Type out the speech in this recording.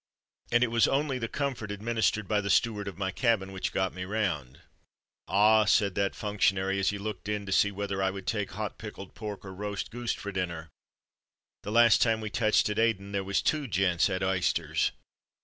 And it was only the comfort administered by the steward of my cabin which got me round. "Ah!" said that functionary, as he looked in to see whether I would take hot pickled pork or roast goose for dinner. "The last time we touched at Aden, there was two gents 'ad 'ysters.